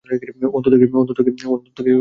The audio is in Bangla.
অন্তর থেকেই জানতাম।